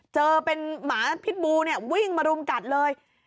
เจอเป็นหมาพิษบูเนี่ยวิ่งมารุมกัดเลย